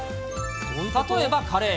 例えばカレー。